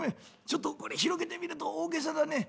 ちょっとこれ広げてみると大げさだね」。